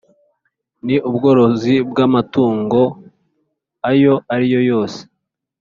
n’ubworozi bw’amatungo ayo ari yose